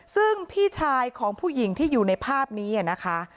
ซึ่งพี่ชายของผู้หญิงที่อยู่ในภาพนี้นะคะ